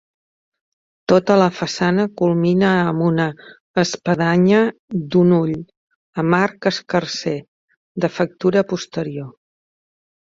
Tota la façana culmina amb una espadanya d'un ull, amb arc escarser, de factura posterior.